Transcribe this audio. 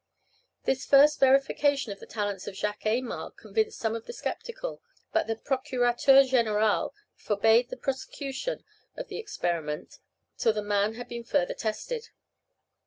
This first verification of the talents of Jacques Aymar convinced some of the sceptical, but the Procurateur Général forbade the prosecution of the experiment till the man had been further tested.